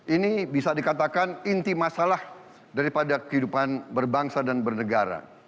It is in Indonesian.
ini bisa dikatakan inti masalah daripada kehidupan berbangsa dan bernegara